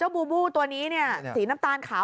บูบูตัวนี้สีน้ำตาลขาว